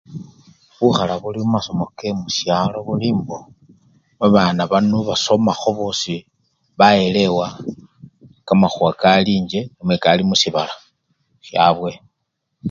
Bukhala buli mumasomo kemusyalo buli mbo, babana bano basomakho bosi mbo bayelewa kamakhuwa kali enjje namwe kali musibala syabwe.